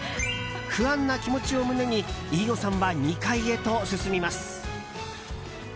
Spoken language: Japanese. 不安な気持ちを胸に飯尾さんは２階へと進みます。